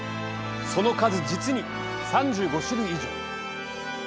その数、実に３５種類以上。